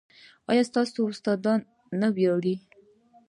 ایا ستاسو استادان نه ویاړي؟